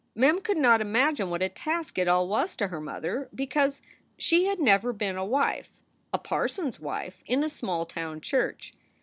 Mem could not imagine what a task it all was to her mother, because she had never been a wife, a parson s wife, in a small town church.